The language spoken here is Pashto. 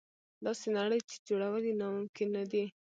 داسې نړۍ چې جوړول یې ناممکن نه دي.